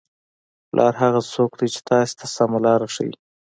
پلار هغه څوک دی چې تاسو ته سمه لاره ښایي.